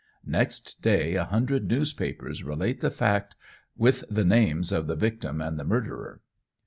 Next day a hundred newspapers relate the fact, with the names of the victim and the murderer.